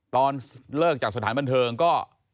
ตอนเลิกจากสถานบันเทิงก็